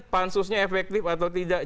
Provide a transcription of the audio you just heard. pansusnya efektif atau tidak